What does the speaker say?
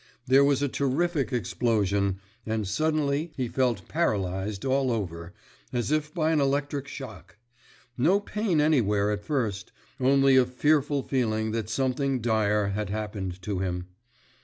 There was a terrific explosion, and suddenly he felt paralyzed all over—as if by an electric shock. No pain anywhere at first; only a fearful feeling that something dire had happened to him.